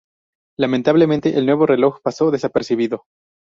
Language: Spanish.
Lamentablemente el nuevo "Reloj" pasó desapercibido.